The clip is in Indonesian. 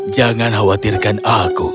jangan khawatirkan aku